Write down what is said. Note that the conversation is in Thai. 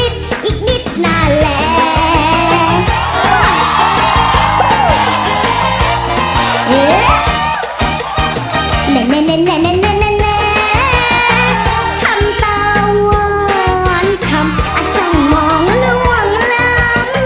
ทำตาว้อนช้ำอาจจะมองล่วงร้ำ